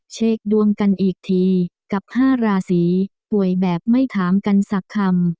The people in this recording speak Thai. เช็คดวงกันอีกทีกับ๕ราศีป่วยแบบไม่ถามกันสักคำ